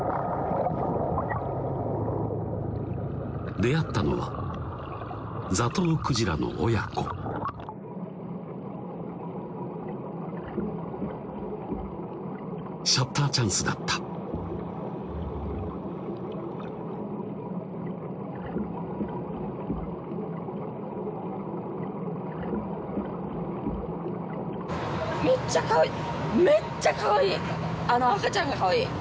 出会ったのはザトウクジラの親子シャッターチャンスだっためっちゃかわいい！